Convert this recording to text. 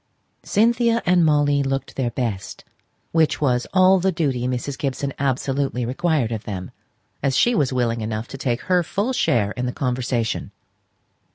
Cynthia and Molly looked their best, which was all the duty Mrs. Gibson absolutely required of them, as she was willing enough to take her full share in the conversation.